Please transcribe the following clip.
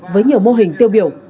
với nhiều mô hình tiêu biểu